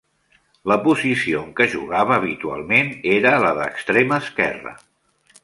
La posició en què jugava habitualment era la de extrem esquerre.